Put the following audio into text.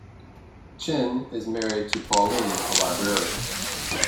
Tchen is married to Pauline, a librarian.